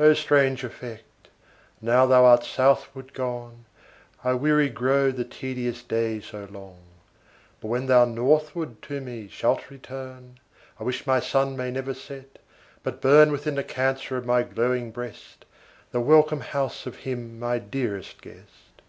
O strange effect! now thou art southward gone, I weary grow the tedious day so long; But when thou northward to me shalt return, I wish my Sun may never set, but burn Within the Cancer of my glowing breast, The welcome house of him my dearest guest.